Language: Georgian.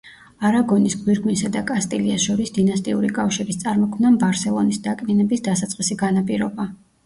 არაგონის გვირგვინსა და კასტილიას შორის დინასტიური კავშირის წარმოქმნამ ბარსელონის დაკნინების დასაწყისი განაპირობა.